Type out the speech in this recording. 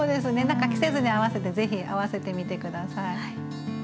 何か季節に合わせてぜひ合わせてみて下さい。